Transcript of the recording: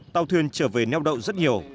tàu thuyền trở về neo đậu rất nhiều